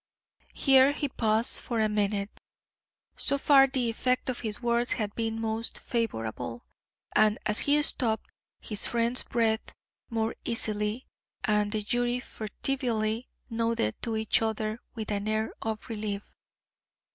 Here he paused for a minute. So far the effect of his words had been most favourable, and as he stopped, his friends breathed more easily, and the jury furtively nodded to each other with an air of relief.